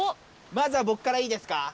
まずはボクからいいですか？